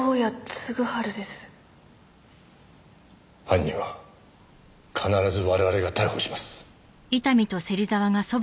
犯人は必ず我々が逮捕します。